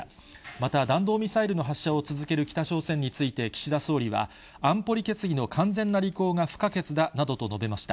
また弾道ミサイルの発射を続ける北朝鮮について、岸田総理は、安保理決議の完全な履行が不可欠だなどと述べました。